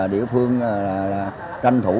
địa phương tranh thủ